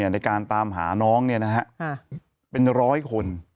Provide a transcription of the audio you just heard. ในการตามหาน้องเป็นร้อยคน